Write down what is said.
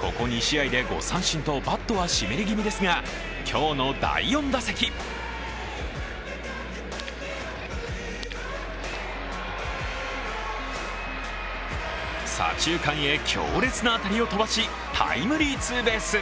ここ２試合で５三振とバットは湿りぎみですが、今日の第４打席左中間へ強烈な当たりを飛ばしタイムリーツーベース。